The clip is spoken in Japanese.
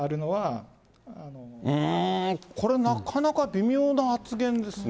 これ、なかなか微妙な発言ですね。